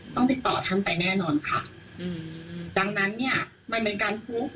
ต้องติดต่อท่านไปแน่นอนค่ะอืมดังนั้นเนี่ยมันเป็นการคุก